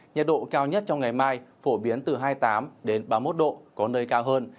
nhiệt độ cao nhất trong ngày mai phổ biến từ hai mươi tám đến ba mươi một độ có nơi cao hơn